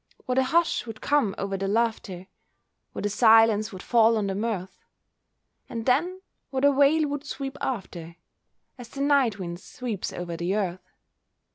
What a hush would come over the laughter! What a silence would fall on the mirth! And then what a wail would sweep after, As the night wind sweeps over the earth!